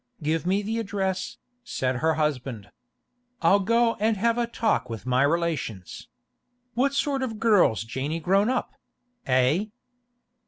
'Give me the address,' said her husband. 'I'll go and have a talk with my relations. What sort of a girl's Janey grown up—eh?